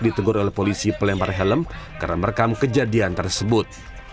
ditegur oleh polisi pelempar helm karena merekam kejadian tersebut